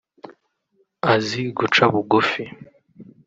Azi guca bugufi